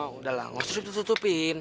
udah lah ngo strip tuh tutupin